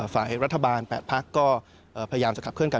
ฝ่ายรัฐบาล๘พักก็พยายามจะขับเคล